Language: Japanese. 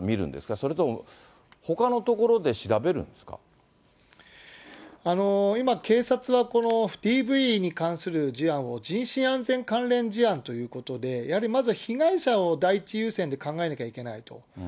それとも、今、警察はこのＤＶに関する事案を人身安全関連事案ということで、やはりまずは被害者を第一優先で考えないといけないと。